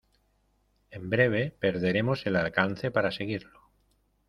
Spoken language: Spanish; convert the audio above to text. en breve perderemos el alcance para seguirlo.